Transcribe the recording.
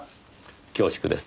恐縮です。